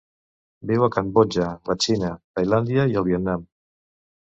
Viu a Cambodja, la Xina, Tailàndia i el Vietnam.